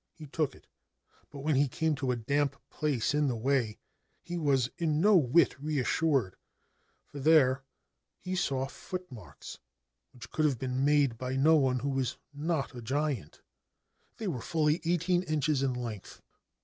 He took it ; but when he came to a damp place in the way he was in no whit reassured, for there he saw footmarks which could have been made by no one who was not a giant — they were fully eighteen inches in length.